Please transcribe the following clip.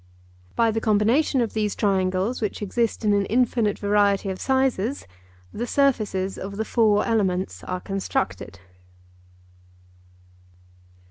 By the combination of these triangles which exist in an infinite variety of sizes, the surfaces of the four elements are constructed.